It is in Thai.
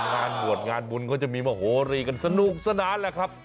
งานบวชงานบุญก็จะมีมโหรีกันสนุกสนานแหละครับ